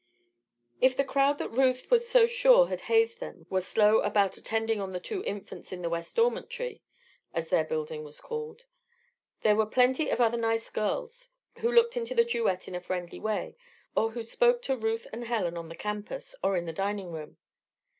If the crowd that Ruth was so sure had hazed them were slow about attending on the two Infants in the West Dormitory (as their building was called) there were plenty of other nice girls who looked into the duet in a friendly way, or who spoke to Ruth and Helen on the campus, or in the dining room.